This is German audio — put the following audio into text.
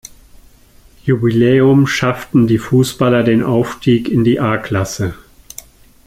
Jubiläum schafften die Fußballer den Aufstieg in die A-Klasse.